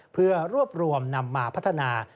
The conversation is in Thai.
เพื่อรวบรวมนำมาพัฒนา